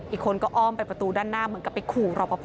อีกคนก็อ้อมไปประตูด้านหน้าเหมือนกับไปขู่รอปภ